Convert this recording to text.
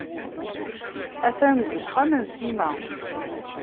A-t-an deg uxxam n Sima.